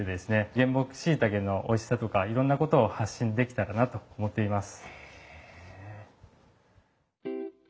原木しいたけのおいしさとかいろんなことを発信できたらなと思っています。